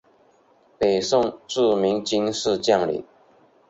北宋著名军事将领。